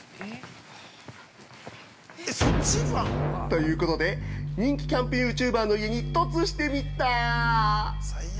◆ということで、人気キャンプユーチューバーの家に、凸してみた！